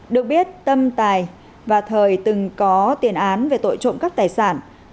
được biết tâm tài và thời từng có tiền án về tội trộm cắp tài sản